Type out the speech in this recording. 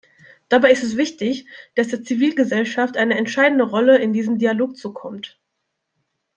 Dabei ist es wichtig, dass der Zivilgesellschaft eine entscheidende Rolle in diesem Dialog zukommt.